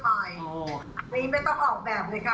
อันนี้ไม่ต้องออกแบบเลยค่ะ